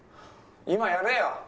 今やれよ！